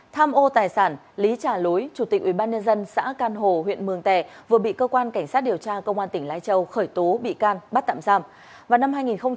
tham ô tài sản lý trà lối chủ tịch ubnd xã can hồ huyện mường tè vừa bị cơ quan cảnh sát điều tra công an tỉnh lai châu khởi tố bị can bắt tạm giam